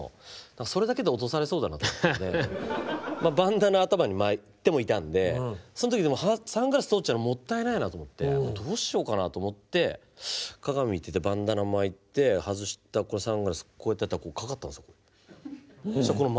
それだけで落とされそうだなと思ってバンダナ頭に巻いてもいたんでその時でもサングラス取っちゃもったいないなと思ってどうしようかなと思って鏡見ててバンダナ巻いて外したサングラスこうやってやったらかかったんですよ。